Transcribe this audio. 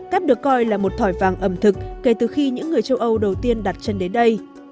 cáp được coi là một thỏi vàng ẩm thực kể từ khi những người châu âu đầu tiên đặt chân đến đây